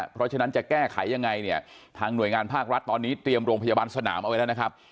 เพราะฉะนั้นจะแก้ไขยังไงเนี่ยทางหน่วยงานภาครัฐตอนนี้เตรียมโรงพยาบาลสนามเอาไว้แล้วนะครับ